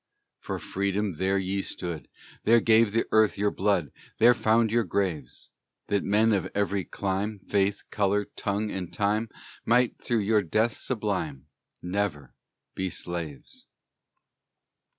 For Freedom there ye stood; There gave the earth your blood; There found your graves; That men of every clime, Faith, color, tongue, and time, Might, through your death sublime, Never be slaves.